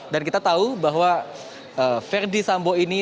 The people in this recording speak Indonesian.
dan kita tahu bahwa verdi sambo ini